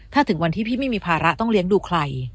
ถ้าถึงวันที่พี่ไม่มีภาระต้องเลี้ยงดูใคร